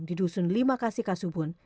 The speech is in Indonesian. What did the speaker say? di dusun lima kasikasubun